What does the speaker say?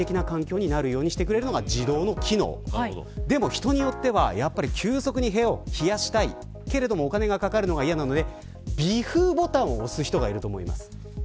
人によっては、急速に部屋を冷やしたいけれどもでも、お金がかかるのが嫌なので微風ボタンを押す人がいます。